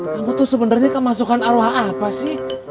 kamu tuh sebenarnya kemasukan arwah apa sih